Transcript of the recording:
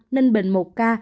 ninh bình một ca